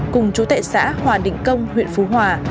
cùng chú tệ xã hòa định công huyện phú hòa